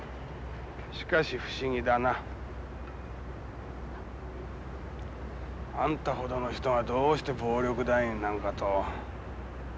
しかし不思議だな。あんたほどの人がどうして暴力団員なんかと。